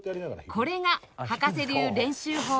これが葉加瀬流練習法